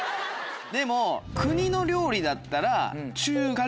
でも国の料理だったら。